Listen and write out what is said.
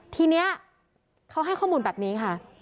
ทีนี้เขาให้ข้อมูลแบบนี้ค่ะ